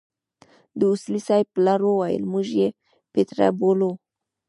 د اصولي صیب پلار وويل موږ يې پتيره بولو.